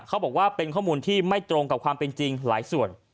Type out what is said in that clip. เขาบอกว่าเป็นข้อมูลที่ไม่ตรงกับความเป็นจริงหลายส่วน